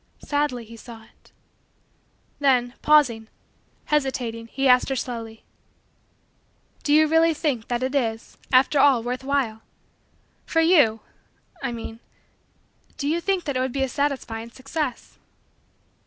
Sadly he saw it. Then, pausing hesitating he asked her slowly: "Do you really think that it is, after all, worth while? For you, I mean, do you think that it would be a satisfying success?"